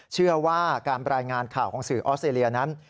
เชื่อว่าการรายงานข่าวของสื่อออสเตรเลียนั้น